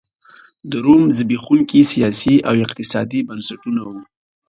د روم زبېښونکي سیاسي او اقتصادي بنسټونه وو